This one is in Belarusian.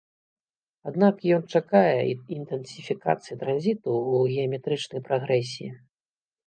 Аднак ён чакае інтэнсіфікацыі транзіту ў геаметрычнай прагрэсіі.